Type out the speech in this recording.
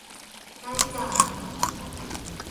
ได้จ๊ะ